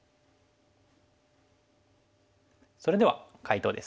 それでは解答です。